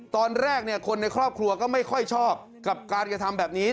ตอนแรกคนในครอบครัวก็ไม่ค่อยชอบกับการกระทำแบบนี้